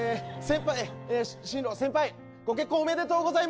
先輩ご結婚おめでとうございます。